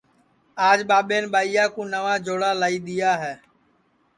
آج ٻاٻین ٻائیا کُو نئوا چھوا لائی دؔیا ہے